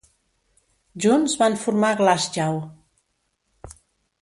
Junts van formar Glassjaw.